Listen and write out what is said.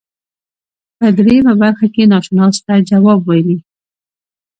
په دریمه برخه کې ناشناس ته جواب ویلی.